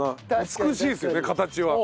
美しいですよね形は。